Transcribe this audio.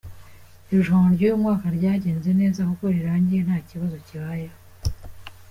Irushanwa ry’uyu mwaka ryagenze neza kuko rirangiye nta kibazo kibayeho.